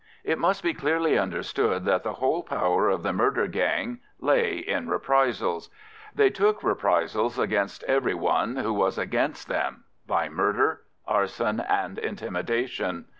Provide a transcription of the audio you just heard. It must be clearly understood that the whole power of the murder gang lay in reprisals: they took reprisals against every one who was against them by murder, arson, and intimidation.